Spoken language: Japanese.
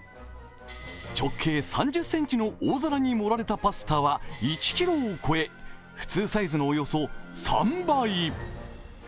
直径３０ｃｍの大皿に盛られたパスタは１ｋｇを超え普通サイズのおよそ３倍。